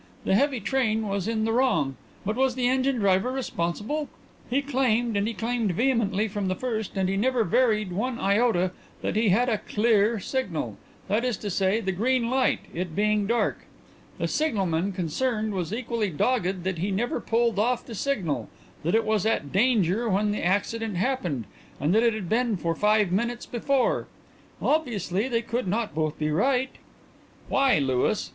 The heavy train was in the wrong. But was the engine driver responsible? He claimed, and he claimed vehemently from the first and he never varied one iota, that he had a 'clear' signal that is to say, the green light, it being dark. The signalman concerned was equally dogged that he never pulled off the signal that it was at 'danger' when the accident happened and that it had been for five minutes before. Obviously, they could not both be right." "Why, Louis?"